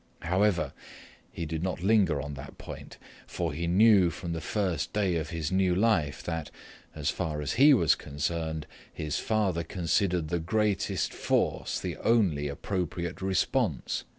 However, he did not linger on that point. For he knew from the first day of his new life that, as far as he was concerned, his father considered the greatest force the only appropriate response.